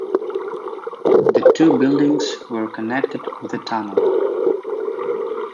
The two buildings were connected with a tunnel.